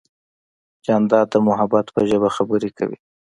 جانداد د محبت په ژبه خبرې کوي.